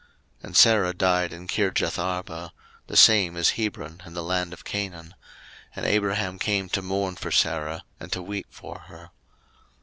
01:023:002 And Sarah died in Kirjatharba; the same is Hebron in the land of Canaan: and Abraham came to mourn for Sarah, and to weep for her.